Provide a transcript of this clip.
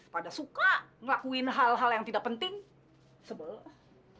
pada suka ngelakuin hal hal yang tidak penting sebelah